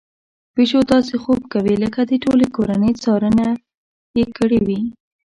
پيشو داسې خوب کوي لکه د ټولې کورنۍ څارنه يې کړې وي.